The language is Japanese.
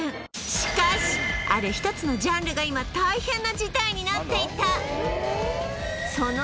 しかしある１つのジャンルが今大変な事態になっていたえっそうなの？